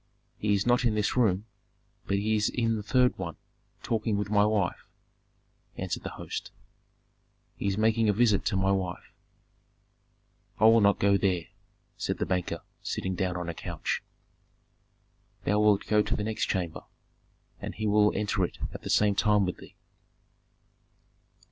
"He is not in this room, but he is in the third one talking with my wife," answered the host. "He is making a visit to my wife." "I will not go there!" said the banker, sitting down on a couch. "Thou wilt go to the next chamber, and he will enter it at the same time with thee."